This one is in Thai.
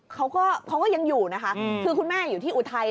เขาก็เขาก็ยังอยู่นะคะคือคุณแม่อยู่ที่อุทัย